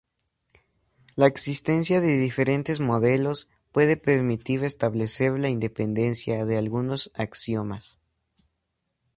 La existencia de diferentes modelos puede permitir establecer la independencia de algunos axiomas.